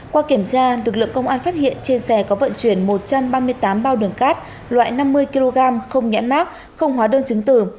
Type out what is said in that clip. qua kiểm tra lực lượng công an phát hiện trên xe có vận chuyển một trăm ba mươi tám bao đường cát loại năm mươi kg không nhãn mát không hóa đơn chứng tử